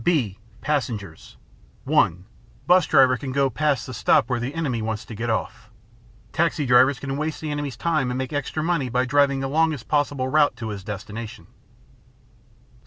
(b) Passengers (1) Bus driver can go past the stop where the enemy wants to get off. Taxi drivers can waste the enemy's time and make extra money by driving the longest possible route to his destination.